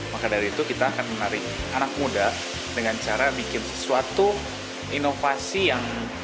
maka dari itu kita akan menarik anak muda dengan cara bikin sesuatu inovasi yang